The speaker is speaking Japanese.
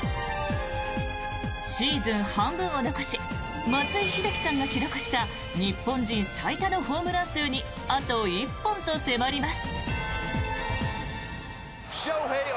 シーズン半分を残し松井秀喜さんが記録した日本人最多のホームラン数にあと１本と迫ります。